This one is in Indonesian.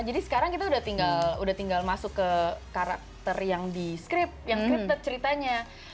jadi sekarang kita udah tinggal masuk ke karakter yang di script yang scripted ceritanya